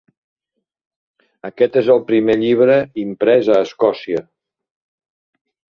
Aquest és el primer llibre imprès a Escòcia.